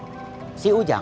yang banyak gerak si ujang